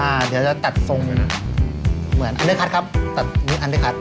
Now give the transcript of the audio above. อ่าเดี๋ยวเราจะตัดทรงเหมือนอันเดอร์คัทครับอันเดอร์คัท